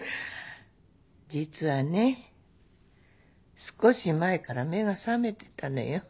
実はね少し前から目が覚めてたのよ。